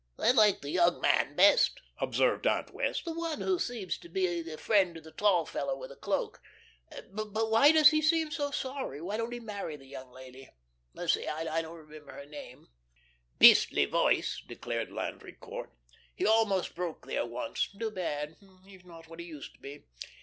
"I like the young man best," observed Aunt Wess'. "The one who seems to be the friend of the tall fellow with a cloak. But why does he seem so sorry? Why don't he marry the young lady? Let's see, I don't remember his name." "Beastly voice," declared Landry Court. "He almost broke there once. Too bad. He's not what he used to be.